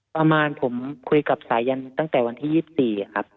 ประมาณผมคุยกับสายันตั้งแต่วันที่๒๔ครับ